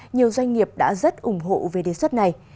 nhiều doanh nghiệp đã rất ủng hộ về đề xuất này